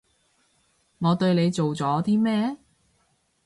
我對你做咗啲咩？